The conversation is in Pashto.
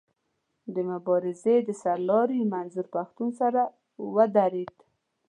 د مبارزې د سر لاري منظور پښتون سره ودرېد.